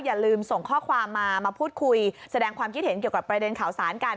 อย่าลืมส่งข้อความมามาพูดคุยแสดงความคิดเห็นเกี่ยวกับประเด็นข่าวสารกัน